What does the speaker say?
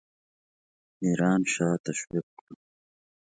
ایران شاه تشویق کړو.